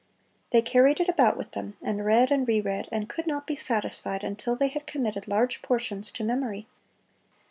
They carried it about with them, and read and re read, and could not be satisfied until they had committed large portions to memory.